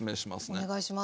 お願いします。